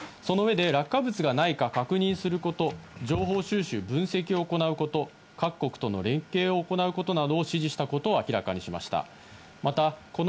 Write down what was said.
そのうえで落下物がないか確認すること、情報収集・分析を行うこと、各国との連携を行うことなどを指示したことを明らかにしました。